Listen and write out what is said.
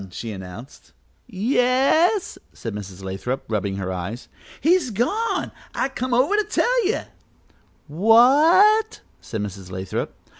she announced. "Yes," said Mrs. Lathrop, rubbing her eyes. "He's gone; I come over to tell you." "What " said Mrs. Lathrop.